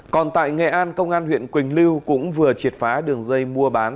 còn tại nghệ an công an huyện quỳnh lưu cũng vừa triệt phá đường dây mua bán